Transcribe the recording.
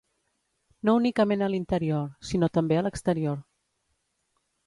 No únicament a l’interior, sinó també a l’exterior.